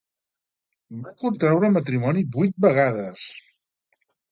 Va contraure matrimoni vuit vegades.